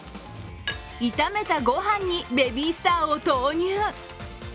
炒めた御飯にベビースターを投入。